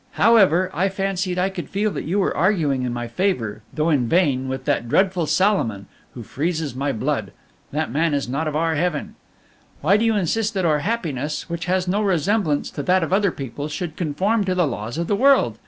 However, I fancied I could feel that you were arguing in my favor, though in vain, with that dreadful Salomon, who freezes my blood. That man is not of our heaven. "Why do you insist that our happiness, which has no resemblance to that of other people, should conform to the laws of the world?